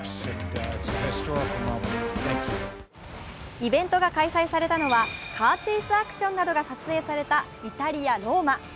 イベントが開催されたのはカーチェイスアクションなどが撮影されたイタリア・ローマ。